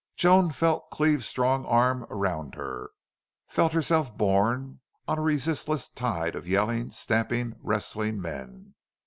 Joan felt Cleve's strong arm around her felt herself borne on a resistless tide of yelling, stamping, wrestling men.